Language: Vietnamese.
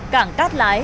cảng cát lái